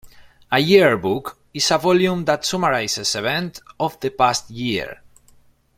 A yearbook is a volume that summarizes events of the past year.